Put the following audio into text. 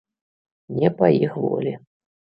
Не па іх волі.